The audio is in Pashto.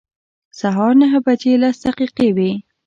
سهار نهه بجې لس دقیقې وې.